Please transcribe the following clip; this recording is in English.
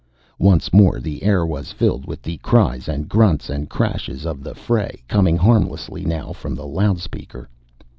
Once more the air was filled with the cries and grunts and crashes of the fray, coming harmlessly now from the loudspeaker.